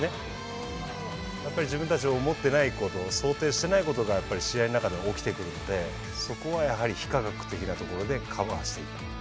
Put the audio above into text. やっぱり自分たち思ってないこと想定してないことがやっぱり試合の中で起きてくるのでそこはやはり非科学的なところでカバーしていく。